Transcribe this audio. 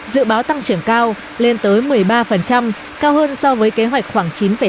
dự báo tăng trưởng cao lên tới một mươi ba cao hơn so với kế hoạch khoảng chín tám